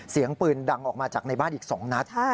เสียงปืนดังออกมาจากในบ้านอีก๒นัด